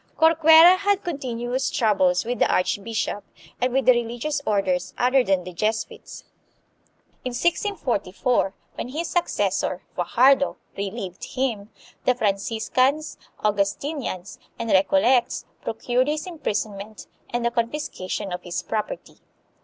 Corcuera had continuous troubles with the archbishop and with the religious orders other than the Jesuits. In 1644, when his successor, Fajardo, relieved him, the Fran ciscans, Augustinians, and Recollects procured his imprison ment and the confiscation of his property.